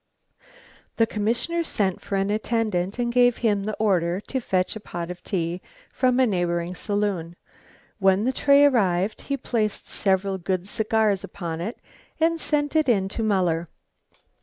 The commissioner sent for an attendant and gave him the order to fetch a pot of tea from a neighbouring saloon. When the tray arrived, he placed several good cigars upon it, and sent it in to Muller.